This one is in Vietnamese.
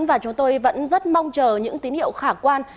và chúng tôi vẫn rất mong chờ những tín hiệu khả quan